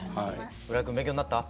浦井くん勉強になった？